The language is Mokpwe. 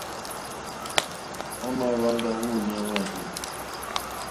À mà hwáŋgá wûɲá wárzɛ̂.